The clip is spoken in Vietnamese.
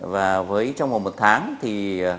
và với trong một tháng thì